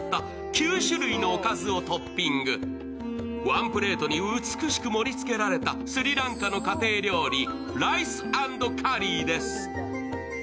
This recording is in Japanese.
ワンプレートに美しく盛りつけられたスリランカの家庭料理